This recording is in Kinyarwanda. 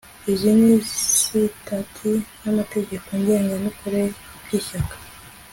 izi ni sitati n'amategeko ngengamikorere by'ishyaka